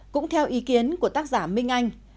cũng theo ý kiến của tác giả minh anh